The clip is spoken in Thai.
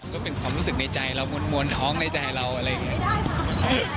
ก็เป็นความรู้สึกในใจเรามวลท้องในใจเราอะไรอย่างนี้